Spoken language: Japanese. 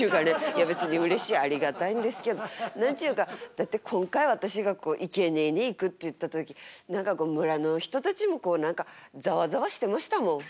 いや別にうれしいありがたいんですけど何ちゅうかだって今回私がこういけにえに行くっていった時何か村の人たちも何かざわざわしてましたもん。